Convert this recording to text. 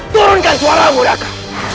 turunkan suara muraka